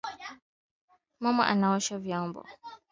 Agosti dikteta wa Irak Saddam Hussein alivamia Kuwait na kuiteka